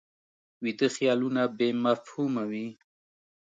ویده خیالونه بې مفهومه وي